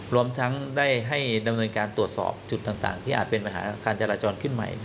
รวมทั้งได้ให้ดำเนินการตรวจสอบจุดต่างที่อาจเป็นปัญหาการจราจรขึ้นใหม่